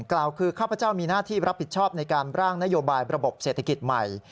กล่าวคือข้าพเจ้ามีหน้าที่รับผิดชอบในการร่างนโยบายระบบเศรษฐกิจใหม่